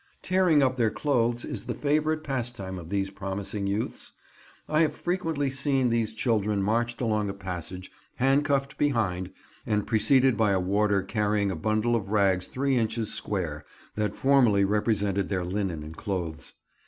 Tearing up their clothes is the favourite pastime of these promising youths. I have frequently seen these children marched along a passage, handcuffed behind, and preceded by a warder carrying a bundle of rags three inches square, that formerly represented their linen and clothes.